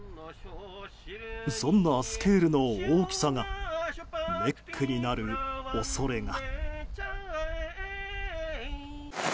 そんなスケールの大きさがネックになる恐れが。